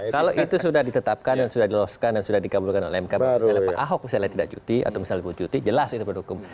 kalau itu sudah ditetapkan dan sudah diloloskan dan sudah dikabulkan oleh mkb pak ahok misalnya tidak cuti atau misalnya diputus cuti jelas itu produk hukum